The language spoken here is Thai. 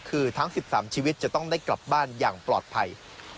คือทั้ง๑๓ชีวิตจะต้องได้กลับบ้านอย่างปลอดภัย